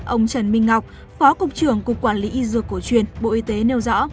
ông trần minh ngọc phó cục trưởng cục quản lý y dược cổ truyền bộ y tế nêu rõ